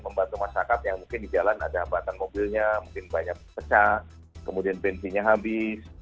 membantu masyarakat yang mungkin di jalan ada hambatan mobilnya mungkin banyak pecah kemudian bensinnya habis